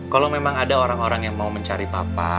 kalau memang ada orang orang yang mau mencari papa